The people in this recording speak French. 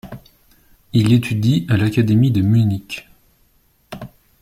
Il étudie à l'Académie de Munich.